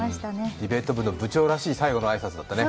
ディベート部の部長らしい、最後の挨拶だったね。